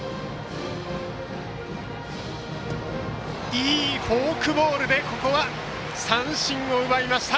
いいフォークボールでここは三振を奪いました！